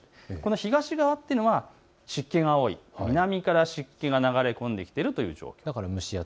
東側というのは湿気が多い南から湿気が流れ込んできているという状況です。